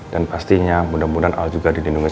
dan pastinya mudah mudahan al juga didindungi